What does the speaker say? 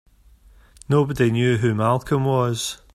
Nobody knew who Malcolm was.